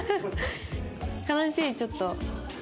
悲しいちょっと。